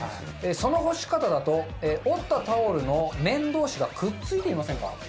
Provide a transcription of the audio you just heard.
その干し方だと折ったタオルの面同士がくっついていませんか？